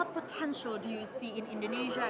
apa potensi yang anda lihat di indonesia